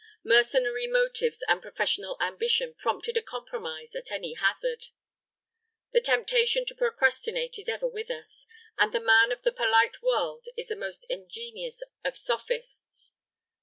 Mercenary motives and professional ambition prompted a compromise at any hazard. The temptation to procrastinate is ever with us, and the man of the polite world is the most ingenious of sophists.